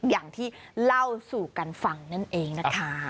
อย่างที่เล่าสู่กันฟังนั่นเองนะคะ